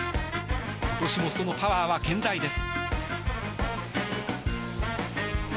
今年もそのパワーは健在です。